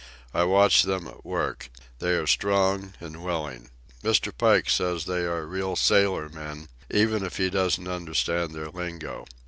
I watch them at work. They are strong and willing. Mr. Pike says they are real sailormen, even if he doesn't understand their lingo.